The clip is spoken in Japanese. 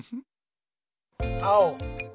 あお！